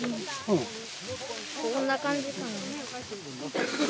こんな感じかな。